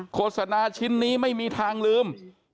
โฆษณาชิ้นนี้ไม่มีทางลืม